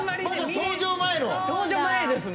登場前ですね。